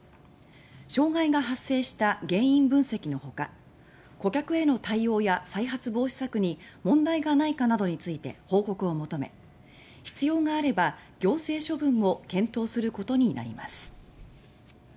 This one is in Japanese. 障害が発生した原因分析のほか顧客への対応や、再発防止策に問題がないかなどについて報告を求め必要があれば行政処分も検討することになります。